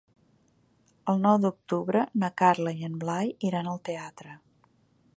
El nou d'octubre na Carla i en Blai iran al teatre.